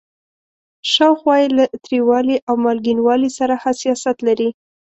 شاوخوا یې له تریوالي او مالګینوالي سره حساسیت لري.